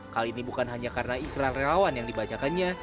kali ini bukan hanya karena iklan relawan yang dibacakannya